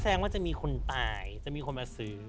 แสดงว่าจะมีคนตายจะมีคนมาซื้อ